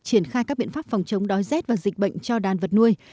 triển khai các biện pháp phòng chống đói rét và dịch bệnh cho đàn vật nuôi